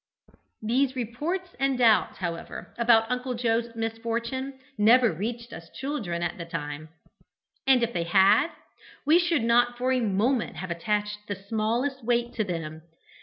These reports and doubts, however, about Uncle Joe's misfortune never reached us children at the time, and, if they had, we should not for a moment have attached the smallest weight to them.